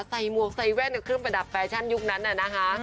หมวกใส่แว่นกับเครื่องประดับแฟชั่นยุคนั้นน่ะนะคะ